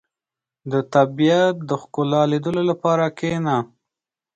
• د طبیعت د ښکلا لیدلو لپاره کښېنه.